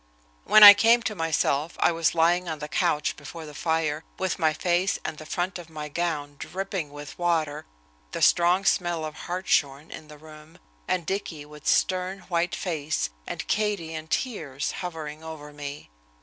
When I came to myself, I was lying on the couch before the fire, with my face and the front of my gown dripping with water, the strong smell of hartshorn in the room, and Dicky with stern, white face, and Katie in tears, hovering over me.